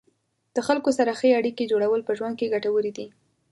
د خلکو سره ښې اړیکې جوړول په ژوند کې ګټورې دي.